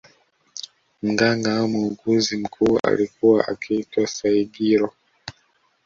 Mganga au muuguzi mkuu alikuwa akiitwa Saigiro